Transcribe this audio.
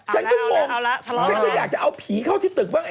ฉันก็งงฉันก็อยากจะเอาผีเข้าที่ตึกบ้าง